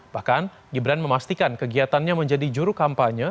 bahkan gibran memastikan kegiatannya menjadi juru kampanye